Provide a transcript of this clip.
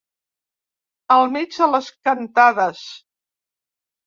Al mig de les cantades.